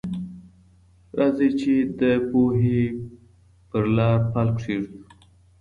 راځئ چي د پوهي په لار پل کېږدو.